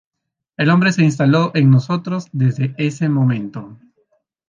El nombre se instaló en nosotros desde ese momento.